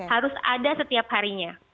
harus ada setiap harinya